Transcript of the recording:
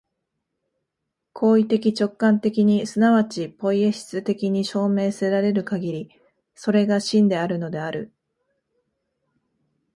行為的直観的に即ちポイエシス的に証明せられるかぎり、それが真であるのである。